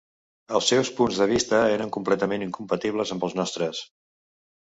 Els seus punts de vista eren completament incompatibles amb els nostres.